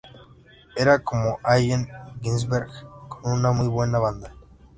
Era como Allen Ginsberg con una muy buena banda".